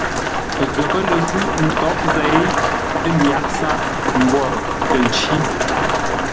Ghəpə́ lə zûʼ ntǎghʼ zêi, ə́ myǎghʼ sǎʼ, mbwórə kə̂ ncí.